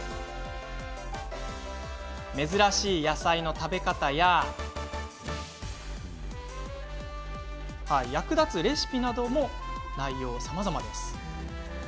珍しい野菜の食べ方や役立つレシピなど内容もさまざまです。